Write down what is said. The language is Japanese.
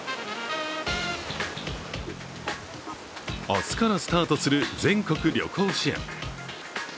明日からスタートする全国旅行支援。